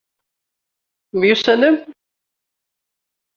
Temyussanem?